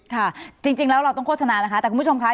ค่ะจริงแล้วเราต้องโฆษณานะคะแต่คุณผู้ชมค่ะ